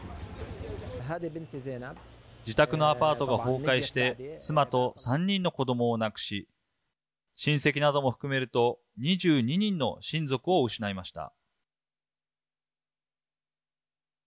自宅のアパートが崩壊して妻と３人の子どもを亡くし親戚なども含めると２２人の親族を失いました。